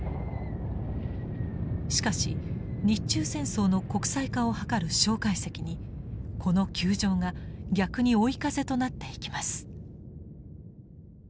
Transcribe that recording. しかし日中戦争の国際化を図る介石にこの窮状が逆に追い風となっていきます。